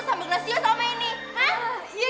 nah kalau gracio ngeliat kejadian itu